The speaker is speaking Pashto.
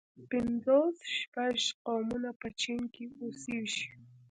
پنځوس شپږ قومونه په چين کې اوسيږي.